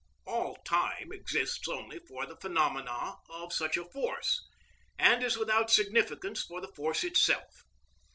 All time exists only for the phenomena of such a force, and is without significance for the force itself.